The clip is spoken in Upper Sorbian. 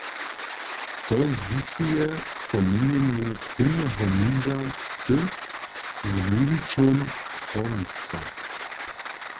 To zwisuje po měnjenju prěnjeho muža wsy z wuwićom hórnistwa.